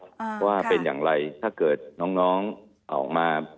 ว่าเป็นอย่างไรถ้าเกิดน้องออกมา